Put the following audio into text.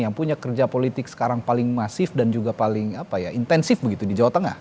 yang punya kerja politik sekarang paling masif dan juga paling intensif begitu di jawa tengah